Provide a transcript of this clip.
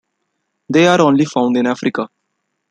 They are only found in Africa.